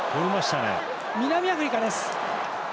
南アフリカです。